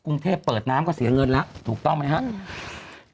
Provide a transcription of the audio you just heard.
กรุงเทพเปิดน้ำก็เสียเงินแล้วถูกต้องไหมครับ